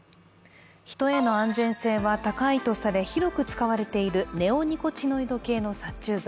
人への安全性は高いと言われ、広く使われているネオニコチノイド系の殺虫剤。